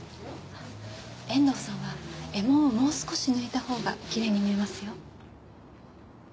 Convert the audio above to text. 遠藤さんは衣紋をもう少し抜いたほうがきれいに見えますよ。